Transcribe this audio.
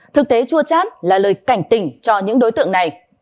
thực tế chua chát là lời cảnh tỉnh cho những đối tượng này